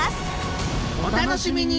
お楽しみに！